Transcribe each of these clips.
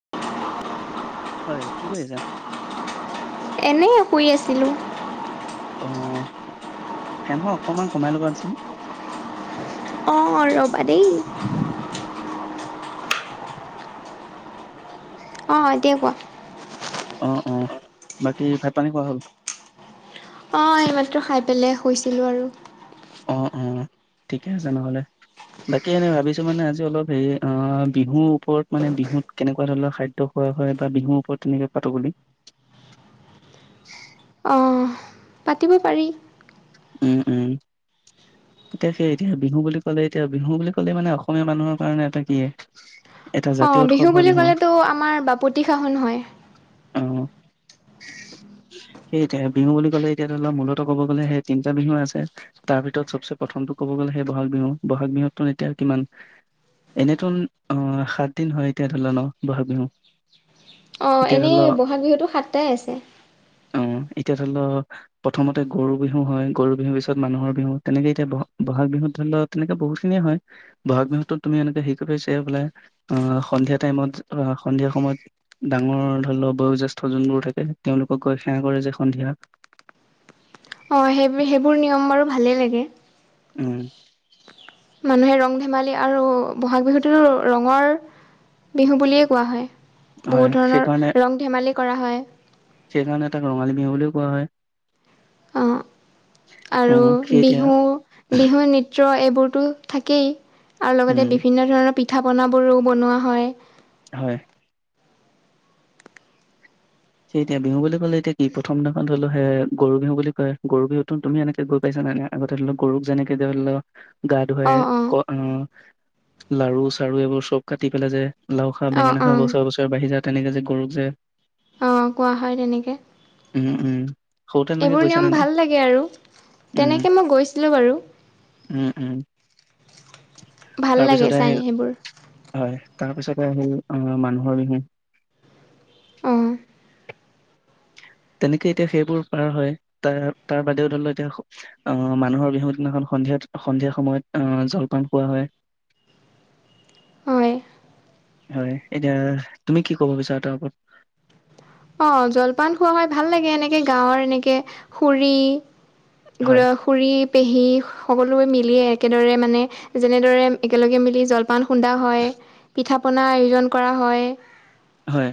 [unintelligible] হয় কি কৰিছা? এনেই শুই আছিলোঁ। অ' ফেনখন অকণমান কমাই ল'বাচোন। ৰবাদেই। অ এতিয়া কোৱা। অ' অ' বাকী ভাই পানী খোৱা হ'ল? অ 'এই মাত্ৰটো খাই পেলাই শুইছিলোঁ আৰু অ অ ঠিকে আছে নহ'লে বাকী এনে ভাবিছো মানে আজি অলপ হেৰি অ বিহুৰ ওপৰত মানে বিহুত কেনেকুৱা ধৰণৰ খাদ্য হয় বা বিহুৰ ওপৰত তেনেকে পাতো বুলি অহ পাতিব পাৰি উম উম এতিয়া সেই এতিয়া বিহু বুলি ক'লে এতিয়া বিহু বুলি কলে মানে অসমীয়া মানুহৰ কাৰণে এটা কিে অ বিহু বুলি কলেতো আমাৰ বাপতি সাহোন হয় অ সেইয়া বিহু বুলি ক'লে এতিয়া ধ মূলত ক'ব গ'লে সেই তিনিটা বিহু আছে তাৰ ভিতৰত চবচে প্ৰথমটো ক'ব গ'লে সেই বহাগ বিহু বহাগ বিহুততো এতিয়া কিমান এনেত আহ সাত দিন হয় এতিয়া ধৰিলা ন বহাগ বিহু অঁ এতিয়া ধৰি ল এনেই বহাগ বিহুটো সাতটাই আছে অ এতিয়া ধৰি লও প্ৰথমতে গৰু বিহু হয় গৰু বিহুৰ পিছত মানুহৰ বিহু তেনেকেই এতিয়া ব বহাগ বিহু ধৰি লও তেনেকে বহুত খিনিয়ে হয় বহাগ বিহুতো তুমি এনেকে শিকিব পিছা বোলে সন্িয়া াইমত সন্ধিয়া সময়ত ডাঙৰ ধৰি ল বয়ো্যেষ্ঠ যোনবোৰ থাকে তেওঁলোকৰ কৈ সেৱা কৰে যে সন্ধিয়া খম বাৰু ভালেই লাগে উম মানুহে ৰং ধেমালি আৰু বহাগ বিহুটোতো ৰঙৰ বিহু বুলিয়েই কোৱা হয় হয় বহুত সেইকাৰণে ধৰণৰ ৰং ধেমালি কৰা হয় সেইকাৰণে তাক ৰঙালী বিহু বুলিও কোৱা হয়। অ, অ আৰু সেই এতিয়া বিহু বিহু নৃত্য এইবোৰ থাকেই আৰু উম লগতে বিভিন্ন ধৰণৰ পিঠা পনাবোৰো বনোৱা হয়। হয়। সেই এতিয়া বিহু বুলি কলে এতিয়া কি প্ৰথম দিনাখন অলপ এ গৰু বিহু বুলি কয়। গৰু বিহুতো তুমি এনেকে গৈ পাইছা নহ নে আগতে ধৰি লও গৰুক যেনেকে ধৰি লও গা ধুৱাই অঁ অঁ ক লাৰু চাৰু এইবোৰ চব কাটি পেলাই যে লাও খা অঁ বেঙেনা খা অঁ বছৰে বছৰে বাঢ়ি যা তেনেকৈ যে গৰুক যে, আহ কোৱা হয় তেনেকে উম উম সৰুতে তেনেকে এইবোৰ গৈছা নিয়ম নে নাই ভাল লাগে আৰু। উম তেনেকে মই গৈছিলোঁ বাৰু, উম উম ভাল লাগে তাৰপিছতে চাই সেইবোৰ আহ হয় তাৰপিছতে আহিল আহ মানুহৰ বিহু অ। তেনেকে এতিয়া সেইবোৰ পাৰ হয়। তাৰ তাৰ বাদেও ধৰিলেও এতিয়া আহ মানুহৰ বিহু দিনাখন, সন্ধিয়াত সন্ধিয়া সময়ত জলপান খোৱা হয়। হয় হয় এতিয়া তুমি কি কব বিচাৰা তাৰ ওপৰত। অ' জলপান খোৱা হয় ভাল লাগে এনেকে গাঁৱৰ এনেকে খুৰী, হয়, খুৰা, খুৰি পেহী সকলোৱে মিলিয়ে একেদৰে মানে যেনেদৰে একেলগে মিলি জলপান খুন্দা হয় পিঠা পনা আয়োজন কৰা হয়। হয়।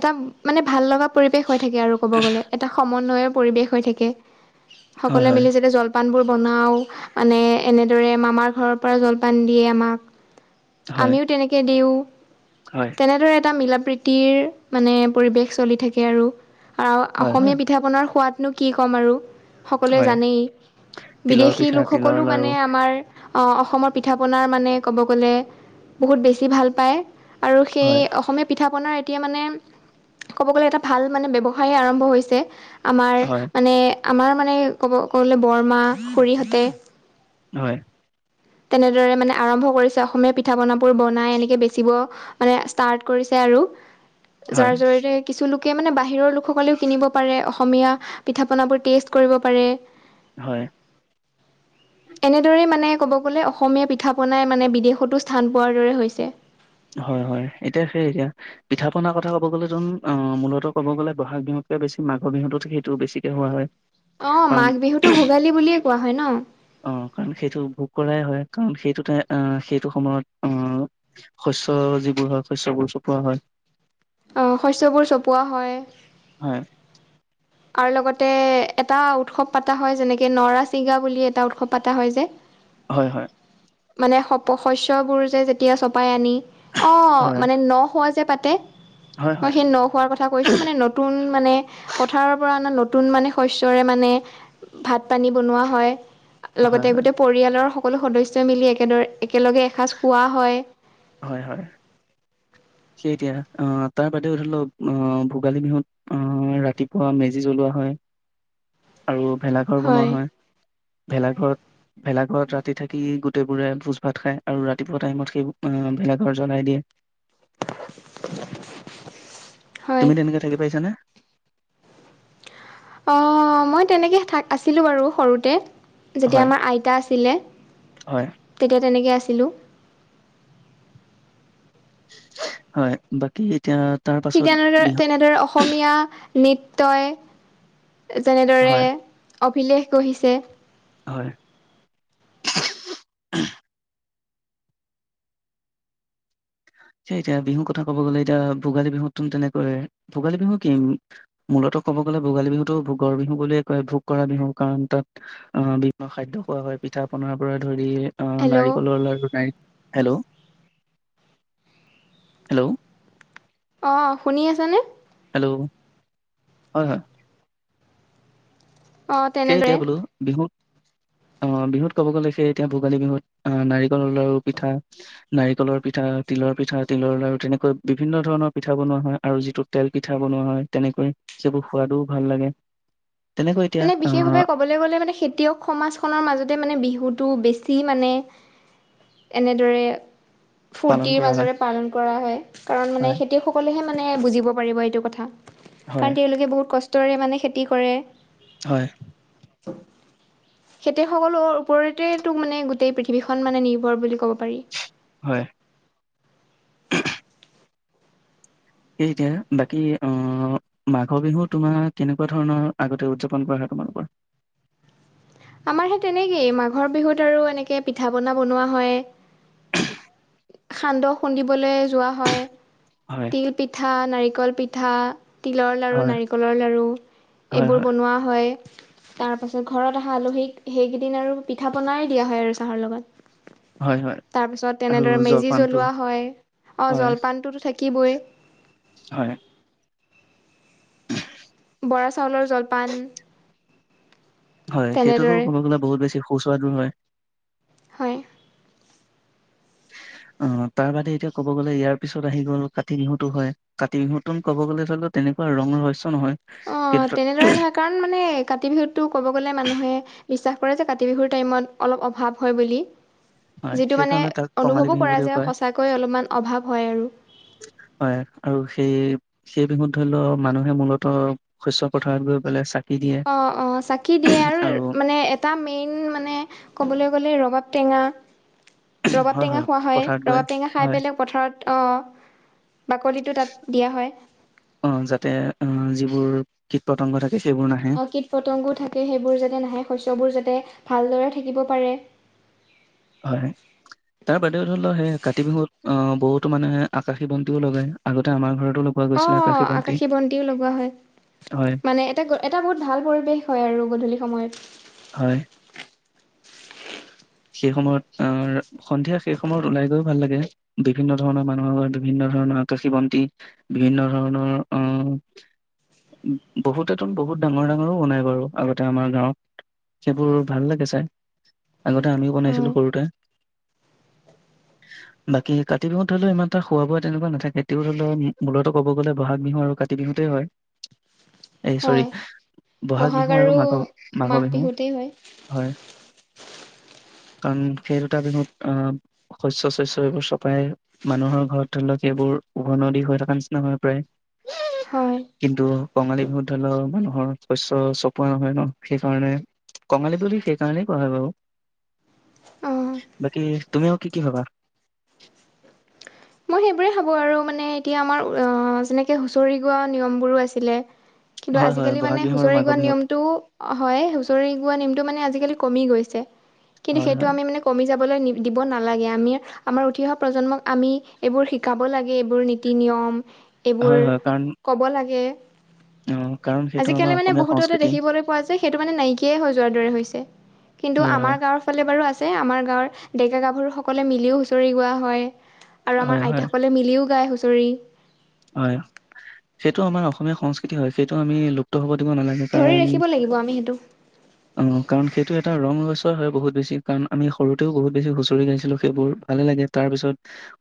এটা মানে ভাল লগা পৰিৱেশ হৈ থাকে আৰু কব গলে এটা সমন্বয়ৰ পৰিৱেশ হৈ থাকে। হয়, সকলোৱে হয়, মিলি যেতিয়া জলপান জলপানবোৰ বনাওঁ মানে এনেদৰে মামাৰ ঘৰৰ পৰা জলপান দিয়ে আমাক। হয়, আমিও তেনেকে দিওঁ হয়, তেনেদৰে এটা মিল প্ৰীতিৰ মানে। পৰিৱেশ চলি থাকে আৰু হয়, হয়, অসমীয়া পিঠা পনাৰ সোৱাদনো কি ক'ম আৰু। সকলোৱে হয়, জানেই তিলৰ বিদেশী পিঠা, তিলৰ লোকসকলো লাৰু, মানে আমাৰ, অসমৰ পিঠা পনাৰ মানে ক'ব গ'লে বহুত বেছি ভাল পায়। আৰু সেই হয়, অসমীয়া পিঠা পনাৰ এতিয়া মানে ক'ব গ'লে এটা ভাল মানে বেৱ্যসায় আৰম্ভ হৈছে। আমাৰ হয়, মানে আমাৰ মানে ক'ব ক'বলৈ বৰমা খুৰীহঁতে। হয়। তেনেদৰে মানে আৰম্ভ কৰিছে অসমীয়া পিঠা পনাবোৰ বনাই এনেকে বেচিব মানে ষ্টাৰ্ট কৰিছে। আৰু হয় সকলোকে মানে বাহিৰৰ লোকসকলেও কিনিব পাৰে অসমীয়া পিঠা পনাবোৰ টেষ্ট কৰিব পাৰে। হয় এনেদৰেই মানে ক'ব গ'লে অসমীয়া পিঠা পনাই মানে বিদেশতো স্থান পোৱাৰ দৰে হৈছে হয় -হয় এতিয়া সেই এতিয়া পিঠা পনাাৰ কথা ক'ব গ'লে যোন অ মূলত ক'ব গ'লে বহাগ বিহুত বেছ মাঘ বিহুত সেইটো বেছিকে হোৱা হয়। অ কাৰণ মাঘ বিহুতো ভোগালী বুলিয়ে কোৱা হয় ন অ 'কাৰণ সেইটো ভোক কৰাই হয় কাৰণ সেইটোতে সেইটো সময়ত আহ। শস্য যিবোৰ হয় শস্যবোৰ চপোৱা হয়। শস্যবোৰ চপোৱা হয় হয়। আৰু লগতে এটা উৎসৱ পতা হয় যেনেকে নৰা চিগা বুলি এটা উৎসৱ পতা হয় যে। হয় হয়। মানে শস্যবোৰ যে যেতিয়া চপাই আনি অ হয়, মানে ন হোৱা যে পাতে হয়, মই হয়, সেই ন হোৱাৰ কথা কৈছো মানে নতুন মানে পথাৰৰ পৰা অ 'নতুন মানে শস্যৰে মানে ভাত পানী বনোৱা হয় হয়, হয়, লগতে গোটেই পৰিয়ালৰ সকলো সদস্যই মিলি একেদৰে একেলগে এসাঁজ খোৱা হয়। হয় -হয় সেই এতিয়া অ' তাৰ বাদেও ধৰি লওক আহ ভোগালী বিহুত অ ৰাতিপুৱা মেজি জ্বলোৱা হয় আৰু ভেলাঘৰ বনোৱা হয় ভেলাঘৰত ভেলাঘৰত ৰাতি থাকি গোটেইবোৰে ভোজ ভাত খায় আৰু ৰাতিপুৱা টাইমত সেইবোৰ অ ' ভেলাঘৰ জ্বলাই দিয়ে হয়। তুমি তেনেকে থাকি পাইছানে। অ' মই তেনেকে থ আছিলো বাৰু সৰুতে যেতিয়া হয় আমাৰ আইতা আছিলে হয় তেতিয়া তেনেকে আছিল। আছিলোঁ হয় বাকী। এতিয়া তাৰ ঠিক পাছত তেনেদৰে বিহু তেনেদৰে অসমীয়া। নৃত্যই যেনেদৰে হয় অভিলেখ গঢ়িছে। হয়। সেই এতিয়া বিহুৰ কথা কব গ'লে এতিয়া ভোগালী বিহুতো তেনেকৈ ভোগালী বিহু কি মূলত ক'ব গ'লে ভোগালী বিহুতো ভোগৰ বিহু বুলিয়ে কয় ভোগ কৰা বিহু কাৰণ তাত আ বিভিন্ন খাদ্য খোৱা হয় পিঠা পনাৰ পা ধৰি আ হেল্ল' নাৰিকলৰ লাডু নাৰী হেল্ল'। হেল্ল'। অ' শুনি আছা নে। হেল্ল' হয়- হয়। অঁ সেয়ে তেনেদৰে এতিয়া বোলো বিহুত অ' বিহুত ক'ব গ'লে সেই এতিয়া ভোগালী বিহুত আ নাৰিকলৰ লাৰু পিঠা নাৰিকলৰ পিঠা তিলৰ পিঠা তিলৰ লাৰু তেনেকৈ বিভিন্ন ধৰণৰ পিঠা বনোৱা হয় আৰু যিটো তেল পিঠা বনোৱা হয় তেনেকৈ সেইবোৰ সোৱাদু ভাল লাগে তেনেকৈ এতিয়া সেইবাবে আহ ক'বলৈ গ'লে মানে খেতিয়ক সমাজখনৰ মাজতে মানে বিহুটো বে চি মানে এনেদৰে পালন ফূৰ্তিৰ কৰা হয় মাজৰে পালন কৰা হয়, কাৰণ মানে হয় খেতিয়ক সকলে মানে বুজিব পাৰিব এইটো কথা হয় কাৰণ তেওঁলোকে বহুত কষ্টৰে মানে খেতি কৰে। হয়। খেতিয়সকলৰ ওপৰতেতো মানে গোটেই পৃথিৱীখন মানে নিৰ্ভৰ বুলি ক'ব পাৰি। হয়। সেই এতিয়া বাকী অ মাঘ বিহু তোমাৰ কেনেকুৱা ধৰণৰ আগতে উদযাপন কৰা হ [unintelligible] আমাৰ সেই তেনেকেই মাঘৰ বিহুত আৰু এনেকে পিঠা পনা বনোৱা হয়। সান্দহ খুন্দিবলৈ যোৱা হয় হয়, তিল পিঠা নাৰি কল পিঠা তিলৰ লাৰু হয়, নাৰিকলৰ লাৰু হয়, এইবোৰ হয়, বনোৱা হয়। তাৰ পাছত ঘৰত অহা আলহীক সেইকেইদিন আৰু পিঠা পনাই দিয়া হয় আৰু চাহৰ লগত। হয়-হয়। তাৰপিছত তেনেদৰে মেজি জ্বলোৱা হয়, অ' হয়, জলপানটো থাকিবই। হয়। বৰা চাউলৰ জলপান। হয় সেইটোতো তেনেদৰে ক'ব গ'লে বহুত বেছি সুস্বাদু হয়। হয়। [inaudible] অ' তাৰ বাদে এতিয়া ক'ব গ'লে ইয়াৰ পিছত আহি গ'ল কাতি বিহুটো হয় কাতি বিহুতো ক'ব গ'লে [unintelligible] তেন তেনেকুৱা ৰঙ ৰহছ অ' তেনেদৰে নহয় কাৰণ মানে কাতি বিহুতো ক'ব গ'লে মানুহে বিশ্বাস কৰে যে কাতি বিহুৰ টাইমত অলপ অভাৱ হয় বুলি। হয় যিটো মানে সেইকাৰণে তাক কঙালী অনুভৱো বিহু কৰা বুলিও যায় কয় সঁচাকৈ অলপমান অভাৱ হয় আৰু। হয় আৰু সেই- সেই বিহুত ধৰি ল মানুহে মূলত শস্য পথাৰত গৈ পেলাই চাকি দিয়ে অ'-অ' চাকি দিয়ে আৰু মানে এটা মেইন মানে ক'বলৈ গ'লে ৰবাব টেঙা ৰবাব হয়, টেঙা খোৱা হয় পথাৰত গৈ ৰবাব টেঙা হয় খাই পেলাই পথাৰত অ' বাকলিটো তাত দিয়া হয়। অ', যাতে অ', যিবোৰ কীট পতংগ থাকে সেইবোৰ নাহে অ' কীট পতংগো থাকে সেইবোৰ যাতে নাহে শস্যবোৰ যাতে ভালদৰে থাকিব পাৰে। হয়। তাৰ বাদেও ধৰি লও সেই কাতি বিহুত আ বহুতো মানে আকাশী বন্তিও লগাই আগতে আমাৰ ঘৰত [unintelligible] অ' আকাশী বন্তিও লগোৱা হয়। হয়, মানে এটা- এটা বহুত ভাল পৰিৱেশ হয় আৰু গধূলি সময়ত। হয়। সেই সময়ত আ সন্ধিয়া সেই সময়ত ওলাই গৈও ভাল লাগে বিভিন্ন ধৰণৰ মানুহৰ বিভিন্ন ধৰৰকাশী বন্তি বিভিন্ন ধৰণৰ অহ, বহুত এত বহুত ডাঙৰ-ডাঙৰো বনায় বাৰু আগতে আমাৰ গাঁৱত। সেইবোৰ ভাল লাগে চাই আগতে আমিও হয়। বনাইছিলো সৰুতে। উ [unintelligible] বাকী কাতি বিহুত ধৰি লও ইমান এটা খোৱা বোৱা তেনেকুৱা নাথে তেতিও ধৰি লও মূলতো কব গলে বহাগ বিহু, কাতি বিহু, বিহুতে হয় এই চৰি। হয় বহাগ বিহু আৰু মাঘ-মাঘ মাঘ বিহু বিহুতেই হয় হয়। কাৰণ সেই দুটা বিহুত আহ শস্য-শস্য এইবোৰ চপাই মানুহৰ ঘৰত ধৰি লওক সব। বোৰ উভৰ নদী হৈ থকা নিচিনা হয় প্ৰায়। হয় কিন্তু কঙালী বিহুত ধৰি লও মানুহৰ শস্য চপোৱা নহয় ন সেইকাৰণে কঙালী বুলি সেইকাৰণেই কোৱা হয় বাও। অ'। বাকী তুমিও কি-কি ভাবা। [inaudible] মই সেইবোৰে ভাবো আৰু মানে এতিয়া আমাৰ যেনেকে হুঁচৰি গোৱা নিয়মবোৰো আছিলে। কিন্তু হয় হয় আজিকালি বহাগ মানে বিহু আৰু হুঁচৰি মাঘৰ গোৱা বিহুত নিয়মটোও হয় হুঁচৰি গোৱা নীম নিয়ম টো মানে আজি কালি কমি গৈছে, কিন্তু হয় সেইটো হয় আমি কমি যাব দিব নালাগে আমি আমাৰ উঠি অহা প্ৰজন্মক আমি, এইবোৰ শিকাব লাগে এইবোৰ নীতি-নিয়ম এইবোৰ হয় হয় কাৰণ ক'ব লাগে। অ', কাৰণ সেইটো আজি আমাৰ কালি অসমীয়া বহুততে সংস্কৃতি দেখিবলে পোৱা যায়, সেইতো মানে নাইকিয়া হৈ যোৱাৰ দৰে হৈছে। কিন্তু হয় আমাৰ হয় গাঁৱৰ ফালে বাৰু আছে। আছে আমাৰ গাঁৱৰ ডেকা গাভৰুসকলে মিলিও হুঁচৰি গোৱা হয়। আৰু হয় আমাৰ হয় আইতাসকলে মিলিও গায় হুঁচৰি, হয়, সেইটো আমাৰ অসমীয়া সংস্কৃতি হয় সেইটো আমি লুপ্ত হ'ব দিব নালাগে ধৰি কাৰন ৰাখিব লাগিব আমি সেইটো অ' কাৰ সেইটো এটা ৰঙ হয়, বহুত বেছি কাৰণ আমি সৰুতেওহুত বেছি হুঁচৰি গাইছিলো সেইবোৰ ভাল লাগে তাৰ পিছত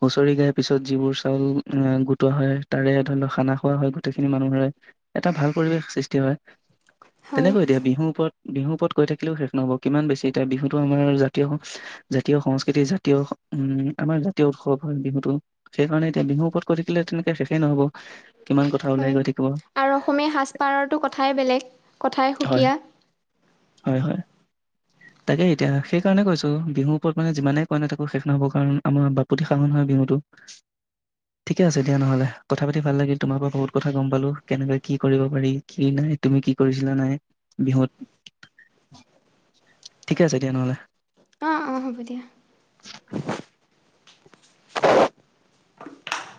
হুঁচৰি গাই। পিছত যিবোৰ চাউল গো টোৱা হয় তাৰে ধৰি লওক খানা খোৱা হয় গোটেইখিনি মানুহৰে এটা ভাল পৰিৱেশ সৃষ্টি হয়। হয় তেনেকৈ এতিয়া বিহুৰ ওপৰত বিহুৰ ওপৰত কৈ থাকিলেও শেষ নহব কিমান বেছি এতিয়া বিহুতটো আমাৰ জাতীয়-জাতীয় সংস্কৃতি, জাতীয় উম, আমাৰ জাতীয় উৎসৱ হয় বিহুতটো। সেইকাৰণে এতিয়া বিহু ওপৰত কৰি থাকিলে তেনেকে শেষেই নহব। কিমান কথা হয় ওলাই গৈ থাকিব আৰু অসমীয়া সাজপাৰো কথাই বেলেগ। কথাই হয় সুকীয়া। উ [inaudible] তাকে এতিয়া সেইকাৰণে কৈছো বিহুৰ ওপৰত মানে যিমানেই ক নাই তো শেষ নহব কাৰণ আমাৰ বাপুতি সাহন হয় বিহুতটো। [inaudible] ঠিকে আছে দিয়া নহলে কথা পাতি ভাল লাগিল তোমাৰ পৰা বহুত কথা গম পালো, কেনেকে কি কৰিব পাৰি কি নাই। তুমি কি কৰিছা? নাই বিহুত ঠিক আছে দিয়া নহ'লে। অ-অ হ'ব দিয়া।